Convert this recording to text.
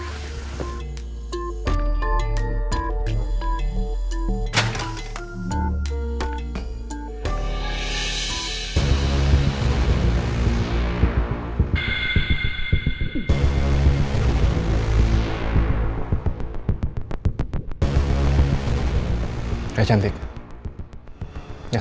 tidak ada yang bisa dipercaya